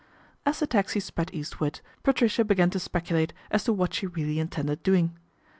As the taxi sped eastward, Patricia began to speculate as to what she really intended doing.